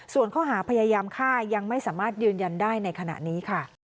ส่วนข้อหาพยายามฆ่ายังไม่สามารถยืนยันได้ในขณะนี้ค่ะ